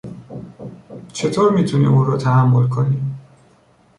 چطور میتوانی او را تحمل کنی؟